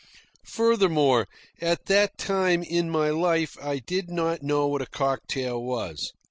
Furthermore, at that time in my life I did not know what a cocktail was.